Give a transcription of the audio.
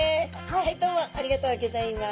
はいどうもありがとうギョざいます！